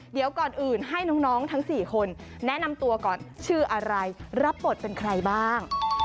เดี๋ยวก่อนอื่นให้น้องทั้ง๔คนแนะนำตัวก่อนชื่ออะไรรับบทเป็นใครบ้าง